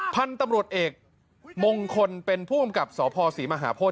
พันธุ์ตำรวจเอกมงคลเป็นผู้กำกับสพศรีมหาโพธิ